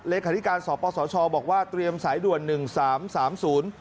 เหลศภิการสปสชบอกว่าเตรียมสายด่วน๑๓๓๐